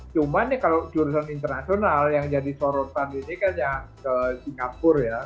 cuman ya kalau jurusan internasional yang jadi sorotan ini kan yang ke singapura ya